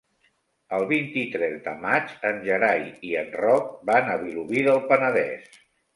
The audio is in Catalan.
El vint-i-tres de maig en Gerai i en Roc van a Vilobí del Penedès.